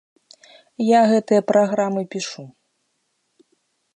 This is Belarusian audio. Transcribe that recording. Я гэтыя праграмы пішу.